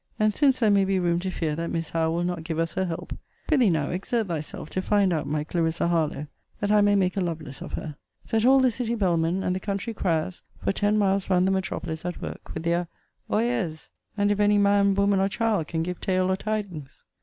] and since there may be room to fear that Miss Howe will not give us her help; I pr'ythee now exert thyself to find out my Clarissa Harlowe, that I may make a LOVELACE of her. Set all the city bellmen, and the country criers, for ten miles round the metropolis, at work, with their 'Oye's! and if any man, woman, or child can give tale or tidings.'